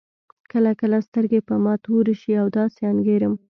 کله کله سترګې په ما تورې شي او داسې انګېرم.